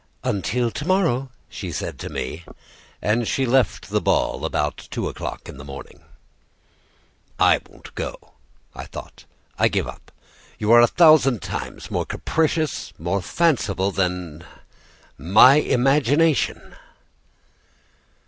"Until to morrow," she said to me, as she left the ball about two o'clock in the morning. "I won't go," I thought. "I give up. You are a thousand times more capricious, more fanciful, than my imagination."